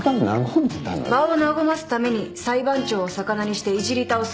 場を和ますために裁判長をさかなにしていじり倒す。